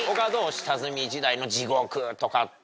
下積み時代の地獄とかっていうの。